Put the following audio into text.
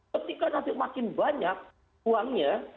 ketika nanti makin banyak uangnya